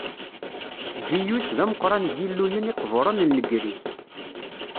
Ziyus d ameqqran n yilluyen iqburen n Legrig.